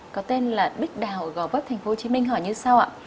có tên là bích đào ở gò vấp tp hcm hỏi như sau ạ